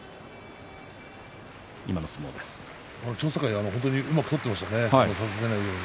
千代栄うまく取っていましたね